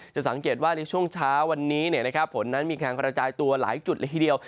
จะสังเกตว่าในช่วงเช้าวันนี้ฝนนั้นมีการกระจายตัวหลายจุดละทีเดียว